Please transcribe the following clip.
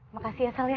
makasih ya sel ya